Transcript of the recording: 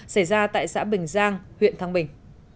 xảy ra tại xã bình giang huyện thăng bình